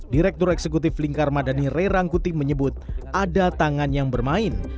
direktur eksekutif lingkar madani ray rangkuti menyebut ada tangan yang bermain